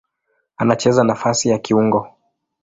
Anacheza nafasi ya kiungo.